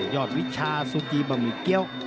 ยอดวิชาสุกีบะหมิเกี๊ยว